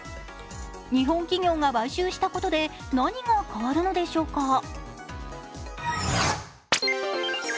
日本企業が買収したことで何が変わるのでしょうか。